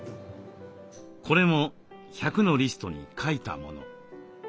これも１００のリストに書いたもの。